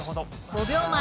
５秒前。